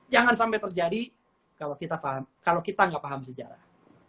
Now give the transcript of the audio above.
jangan sampai terjadi kalau kita nggak paham sejarah